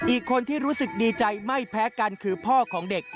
อีกคนที่รู้สึกดีใจไม่แพ้กันคือพ่อของเด็ก